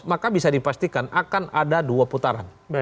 maka bisa dipastikan akan ada dua putaran